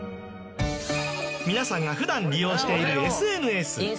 皆さんが普段利用しているＳＮＳ。